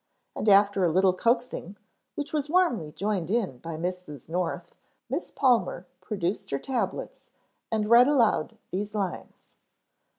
And after a little coaxing, which was warmly joined in by Mrs. North, Miss Palmer produced her tablets and read aloud these lines.